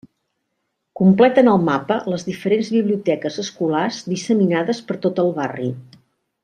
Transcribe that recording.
Completen el mapa les diferents biblioteques escolars disseminades per tot el barri.